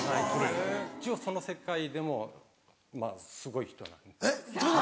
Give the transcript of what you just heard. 一応その世界でもまぁすごい人なんです。